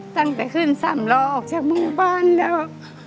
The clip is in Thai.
ตั้งแต่ขึ้นสำรอออกจากบ้านแล้ว